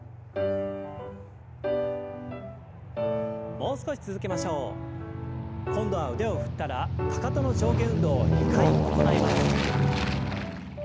もう少し続けましょう。今度は腕を振ったらかかとの上下運動を２回行います。